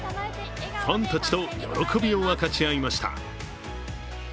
ファンたちと喜びを分かち合いました。